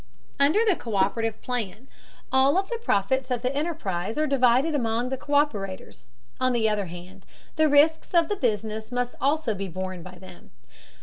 Under the co÷perative plan, all of the profits of the enterprise are divided among the co÷perators; on the other hand, the risks of the business must also be borne by them.